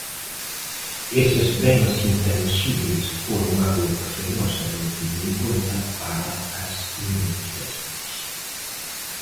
Eses bens intanxíbeis foron algo que Fenosa non tivo en conta para as indemnizacións.